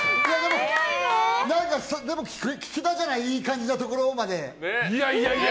何か聴けたじゃないいい感じのところまで。